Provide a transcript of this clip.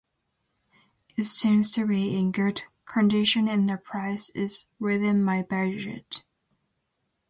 It seems to be in good condition and the price is within my budget.